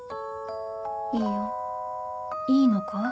いいよいいのか？